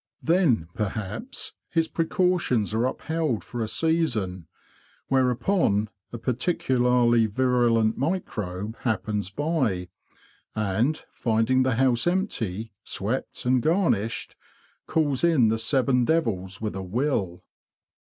Then, perhaps, his precautions are upheld for a season, whereupon a particularly virulent microbe happens by; and, finding the house empty, swept, and garnished, calls in the seven devils with a will.